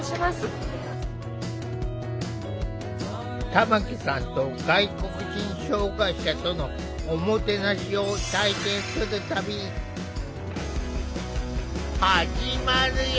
玉木さんと外国人障害者とのおもてなしを体験する旅始まるよ。